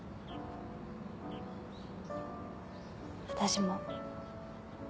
私も。